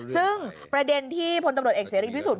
ซึ่งประเด็นที่พลตำรวจเอกเสรีพิสุทธิ